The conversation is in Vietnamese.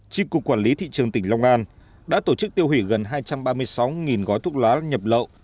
tri cục quản lý thị trường tỉnh long an đã tổ chức tiêu hủy gần hai trăm ba mươi sáu gói thuốc lá nhập lậu